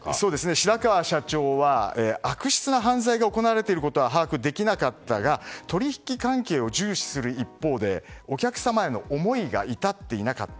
白川社長は悪質な犯罪が行われていることは把握できなかったが取引関係を重視する一方でお客様への思いが至っていなかった。